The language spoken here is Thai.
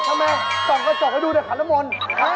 ทำไมต่อก่อนก็ดูเดี๋ยวขัดละหม่น